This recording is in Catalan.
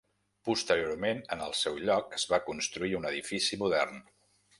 Posteriorment, en el seu lloc es va construir un edifici modern.